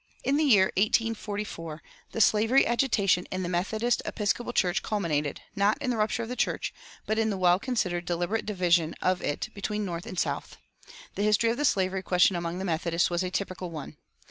In the year 1844 the slavery agitation in the Methodist Episcopal Church culminated, not in the rupture of the church, but in the well considered, deliberate division of it between North and South. The history of the slavery question among the Methodists was a typical one.